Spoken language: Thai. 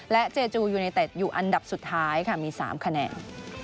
เจจูยูเนเต็ดอยู่อันดับสุดท้ายค่ะมี๓คะแนน